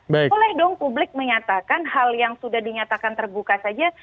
boleh dong publik menyatakan hal yang sudah dinyatakan terbuka saja